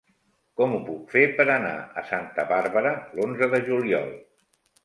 Com ho puc fer per anar a Santa Bàrbara l'onze de juliol?